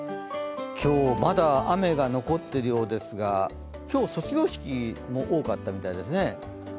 今日、まだ雨が残っているようですが、今日、卒業式も多かったみたいですね。